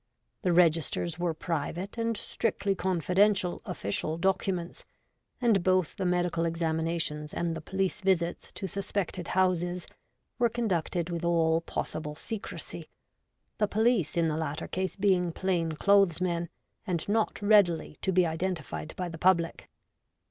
The registers were private and strictly confidential official documents, and both the medical examinations and the police visits to suspected houses were con ducted with all possible secrecy, the police in the latter case being plain clothes men, and not readily to be identified by the public.